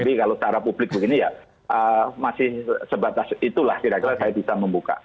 jadi kalau secara publik begini ya masih sebatas itulah tidak saya bisa membuka